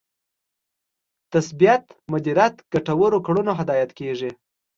تثبیت مدیریت ګټورو کړنو هدایت کېږي.